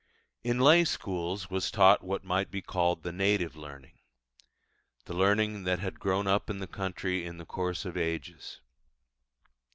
In lay schools was taught what might be called the native learning the learning that had grown up in the country in the course of ages.